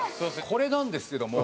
「これなんですけども」